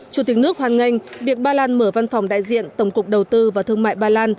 chủ tịch nước hoan nghênh việc ba lan mở văn phòng đại diện tổng cục đầu tư và thương mại ba lan